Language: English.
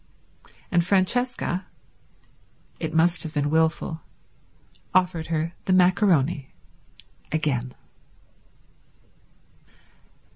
And Francesca—it must have been wilful—offered her the maccaroni again.